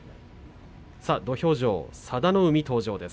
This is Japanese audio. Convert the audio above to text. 土俵上は佐田の海、登場です。